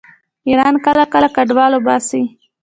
ایران کله کله کډوال وباسي.